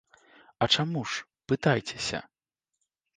А чаму ж, пытайцеся.